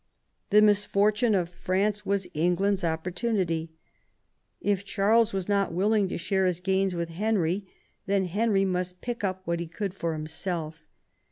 The misfortune of France was England's opportunity. If Charles was not willing to share his gains with Henry, then Henry must pick up what he could for himself.